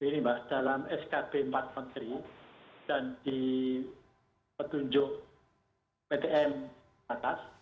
ini mbak dalam skb empat menteri dan di petunjuk ptm atas